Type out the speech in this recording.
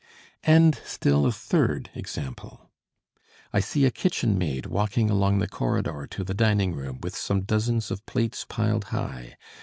"And still a third example. I see a kitchen maid walking along the corridor to the dining room with some dozens of plates piled high.